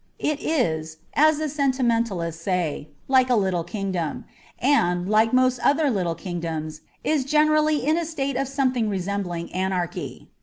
It is, as the sentimentalists say, like a little kingdom, and, like most other little kingdoms, is generally in a state of something resembling anarchy.